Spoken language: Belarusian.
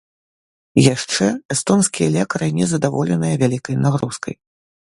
Яшчэ эстонскія лекары не задаволеныя вялікай нагрузкай.